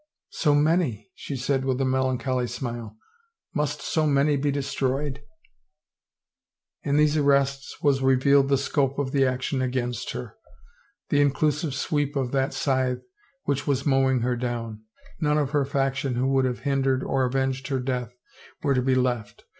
" So many ?" she said with a melancholy smile. " Must so many be destroyed ?" In these arrests was revealed the scope of the action against her; the inclusive sweep of that scythe which was mowing her down. None of her faction who would have hindered or avenged her death were to be left.